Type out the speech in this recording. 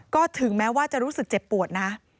ก็ถึงแม้ว่าจะรู้สึกเจ็บปวดนะ